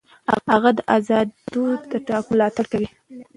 هغه د آزادو ټاکنو ملاتړ کوي.